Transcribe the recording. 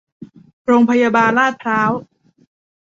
โรงพยาบาล ลาดพร้าว